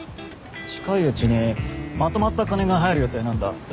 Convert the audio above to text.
近いうちにまとまった金が入る予定なんだって。